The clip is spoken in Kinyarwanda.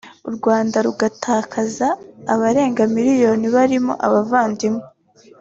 u Rwanda rugatakaza abarenga miliyoni barimo abavandimwe